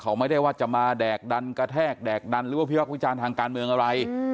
เขาไม่ได้ว่าจะมาแดกดันกระแทกแดกดันหรือว่าพิรักษ์วิจารณ์ทางการเมืองอะไร